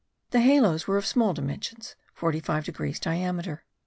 The halos were of small dimensions, 45 degrees diameter.